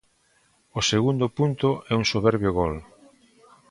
O segundo punto é un soberbio gol.